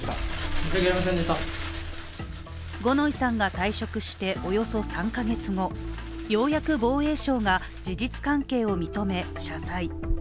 五ノ井さんが退職しておよそ３か月後、ようやく防衛省が事実関係を認め、謝罪。